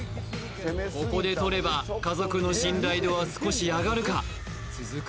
ここで取れば家族の信頼度は少し上がるか続く